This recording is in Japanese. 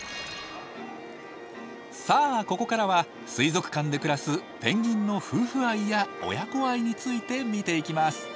さあここからは水族館で暮らすペンギンの夫婦愛や親子愛について見ていきます。